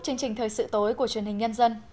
chương trình thời sự tối của truyền hình nhân dân